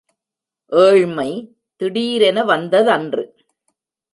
ஏழ்மை திடீரென வந்ததன்று.